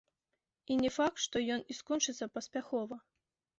І не факт, што і ён скончыцца паспяхова.